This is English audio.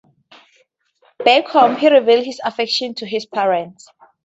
Back home, he reveals his affection to his parents.